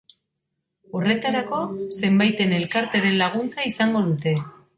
Horretarako, zenbait elkarteren laguntza izango dute.